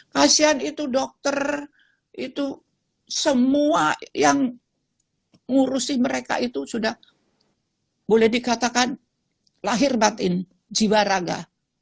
kasian itu dokter itu semua yang ngurusi mereka itu sudah boleh dikatakan lahir batin jiwa raga